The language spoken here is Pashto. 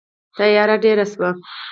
تیاره ډېره شوه.